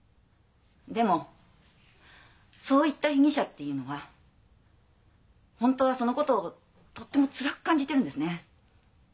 でもそういった被疑者っていうのは本当はそのことをとってもつらく感じてるんですね。